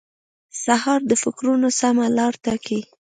سهار د فکرونو سمه لار ټاکي.